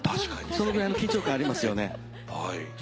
そのぐらいの緊張感ありますよね。